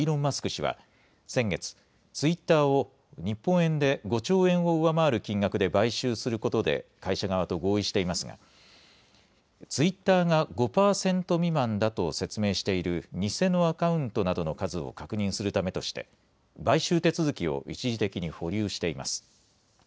氏は先月ツイッターを日本円で５兆円を上回る金額で買収することで会社側と合意していますがツイッターが５％未満だと説明している偽のアカウントなどの数を確認するためとして買収手続きを一時的に保留しています。